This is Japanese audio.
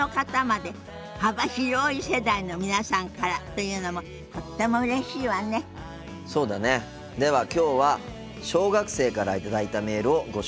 ではきょうは小学生から頂いたメールをご紹介しようと思います。